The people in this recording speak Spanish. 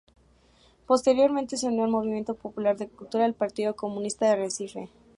Posteriormente se unió al Movimiento Popular de Cultura del Partido Comunista de Recife.